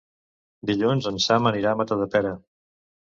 Dilluns en Sam anirà a Matadepera.